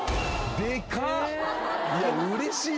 でかっ！